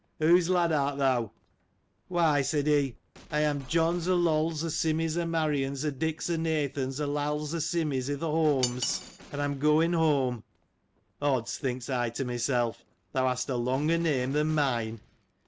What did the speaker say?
" Whose lad art thou ?" Why, said he, I am John's o' Loll's o' Simmy's o' Marian's, o' Dick's o' Nathan's o' Lall's o' Simmy's, i'th' Holmes ; and I am going home.' Odds ! thinks I to myself, thou hast a longer name than mine.